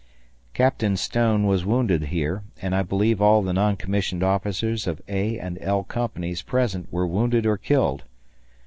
Captain Stone was wounded here, and I believe all the non commissioned officers of A and L Companies present were wounded or killed.